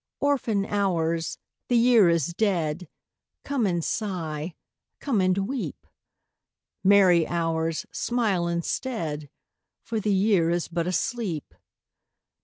Orphan Hours, the Year is dead, Come and sigh, come and weep! Merry Hours, smile instead, For the Year is but asleep.